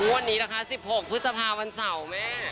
วันนี้นะคะ๑๖พฤษภาวันเสาร์แม่